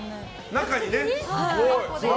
中にね。